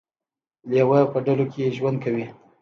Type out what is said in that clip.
لیوه په ډلو کې ژوند کوي